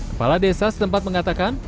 kepala desa setempat mengatakan